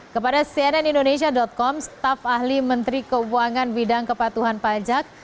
kepada cnn indonesia com staf ahli menteri keuangan bidang kepatuhan pajak